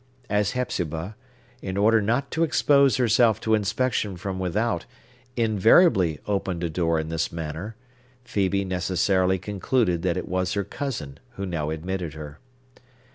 As Hepzibah, in order not to expose herself to inspection from without, invariably opened a door in this manner, Phœbe necessarily concluded that it was her cousin who now admitted her.